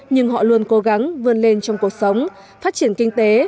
nhưng họ luôn cố gắng vươn lên trong cuộc sống phát triển kinh tế